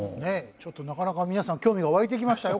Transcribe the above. ちょっとなかなか皆さん興味が湧いてきましたよ